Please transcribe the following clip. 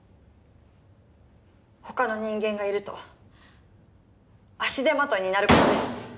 他の人間がいると足手まといになるからです。